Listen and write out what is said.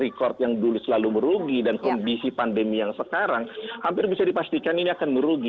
record yang dulu selalu merugi dan kondisi pandemi yang sekarang hampir bisa dipastikan ini akan merugi